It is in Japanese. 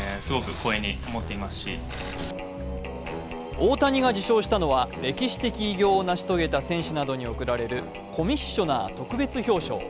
大谷が受賞したのは歴史的な偉業を成し遂げた選手などに贈られるコミッショナー特別表彰。